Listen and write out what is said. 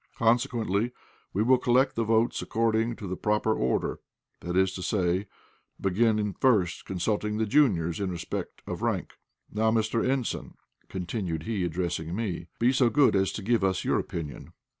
Consequently we will collect the votes according to the proper order, that is to say, begin first consulting the juniors in respect of rank. Now, Mr. Ensign," continued he, addressing me, "be so good as to give us your opinion."